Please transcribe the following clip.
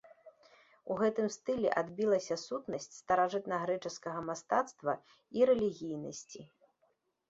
У гэтым стылі адбілася сутнасць старажытнагрэчаскага мастацтва і рэлігійнасці.